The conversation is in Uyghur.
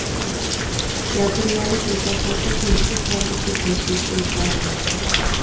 ياپونىيەلىك مۇتەخەسسىس مۇشۇ سوئال ئۈستىدە تەكشۈرۈش ئېلىپ بارغان.